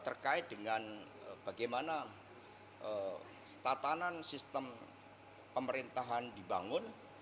terkait dengan bagaimana tatanan sistem pemerintahan dibangun